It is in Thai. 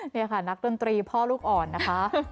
นี่ค่ะนักดนตรีพ่อลูกอ่อนนะคะ